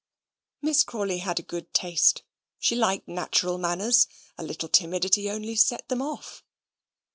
Miss Crawley had a good taste. She liked natural manners a little timidity only set them off.